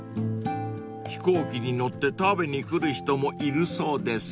［飛行機に乗って食べに来る人もいるそうです］